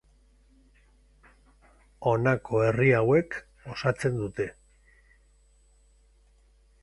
Honako herri hauek osatzen dute.